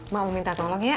mau minta tolong ya